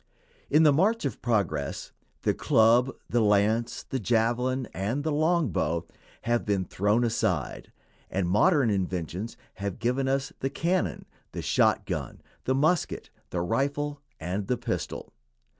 In the march of progress the club, the lance, the javelin, and the long bow have been thrown aside, and modern invention has given us the cannon, the shotgun, the musket, the rifle, and the pistol.